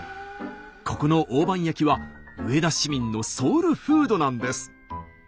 ここの大判焼きは上田市民のソウルフードなんです。